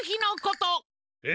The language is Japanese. え